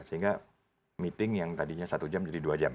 sehingga meeting yang tadinya satu jam jadi dua jam